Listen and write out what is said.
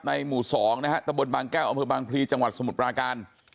หมู่๒นะฮะตะบนบางแก้วอำเภอบางพลีจังหวัดสมุทรปราการ